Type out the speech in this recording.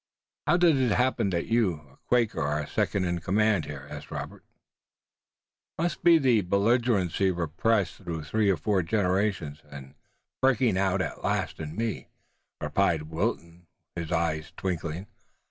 "How does it happen that you, a Quaker, are second in command here?" asked Robert. "It must be the belligerency repressed through three or four generations and breaking out at last in me," replied Wilton, his eyes twinkling.